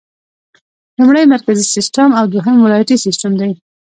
لومړی مرکزي سیسټم او دوهم ولایتي سیسټم دی.